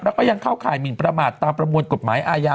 แล้วก็ยังเข้าข่ายหมินประมาทตามประมวลกฎหมายอาญา